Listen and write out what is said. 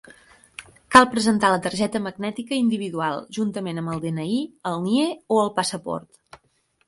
Cal presentar la targeta magnètica individual, juntament amb el DNI, el NIE o el passaport.